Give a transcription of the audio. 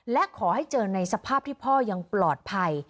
และขอให้เจอในสภาพที่พ่อยังปลอดภัย